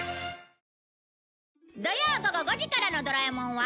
土曜午後５時からの『ドラえもん』は